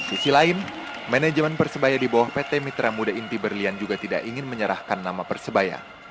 di sisi lain manajemen persebaya di bawah pt mitra muda inti berlian juga tidak ingin menyerahkan nama persebaya